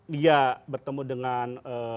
dia bertemu dengan